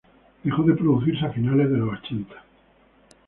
Dejó de producirse a finales de los ochenta.